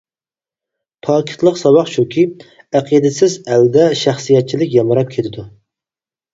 پاكىتلىق ساۋاق شۇكى، ئەقىدىسىز ئەلدە شەخسىيەتچىلىك يامراپ كېتىدۇ.